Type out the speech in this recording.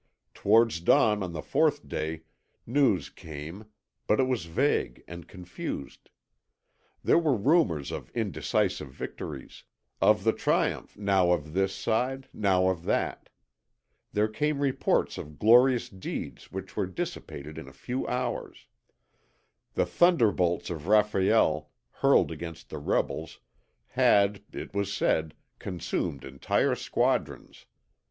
Towards dawn on the fourth day news came, but it was vague and confused. There were rumours of indecisive victories; of the triumph now of this side, now of that. There came reports of glorious deeds which were dissipated in a few hours. The thunderbolts of Raphael, hurled against the rebels, had, it was said, consumed entire squadrons.